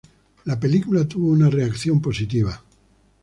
La película tuvo una reacción positiva.